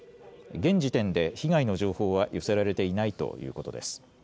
現時点で被害の情報は寄せられていないということです。